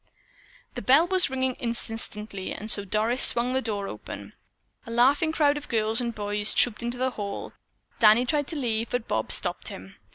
The bell was ringing insistently and so Doris swung open the door. A laughing crowd of girls and boys trooped into the hall. Danny tried to leave but Bob stopped him.